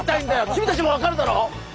君たちもわかるだろう！